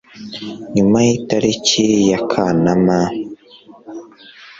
nyuma y itariki ya Kanama